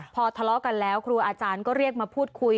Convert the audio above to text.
พอทะเลาะกันแล้วครูอาจารย์ก็เรียกมาพูดคุย